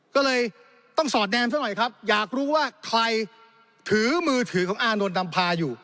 ก็เลยต้องสอดแนมซะหน่อยครับอยากรู้ว่าใครถือมือถือของอานนท์นำพาอยู่